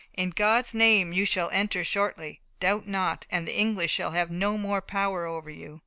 "In God's name, you shall enter shortly. Doubt not, and the English shall have no more power over you!"